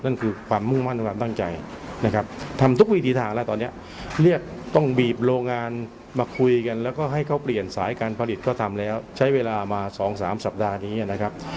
นั่นคือความมุ่งมั่นความตั้งใจนะครับทำทุกวิธีทางแล้วตอนนี้เรียกต้องบีบโรงงานมาคุยกันแล้วก็ให้เขาเปลี่ยนสายการผลิตก็ทำแล้วใช้เวลามา๒๓สัปดาห์นี้นะครับ